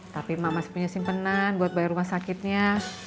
tapi mama masih punya simpenan buat bayar rumah sakitnya